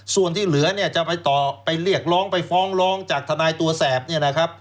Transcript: ส่วนที่เหลือเนี่ยจะไปต่อไปเรียกร้องไปฟ้องร้องจากทนายตัวแสบเนี่ยนะครับ